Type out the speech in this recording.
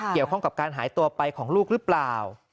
เกี่ยวข้องกับการหายตัวไปของลูกหรือเปล่า